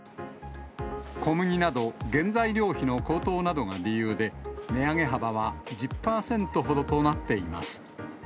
小麦など原材料費の高騰などが理由で、値上げ幅は１０％ほどとなっています。